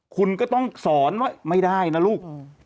คุณก็ต้องสอนว่าไม่ได้นะลูก